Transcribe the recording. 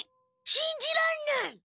しんじらんない。